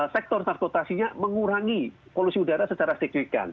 sektor transportasinya mengurangi polusi udara secara signifikan